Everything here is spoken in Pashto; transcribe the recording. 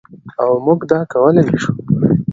او موږ دا کولی شو.